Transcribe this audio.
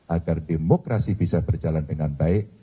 agar demokrasi bisa berjalan dengan baik